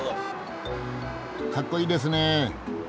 かっこいいですね！